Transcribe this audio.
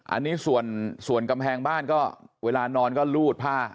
อันนี้ส่วนกำแพงบ้านก็เวลานอนก็รูดผ้า